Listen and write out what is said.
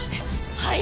はい。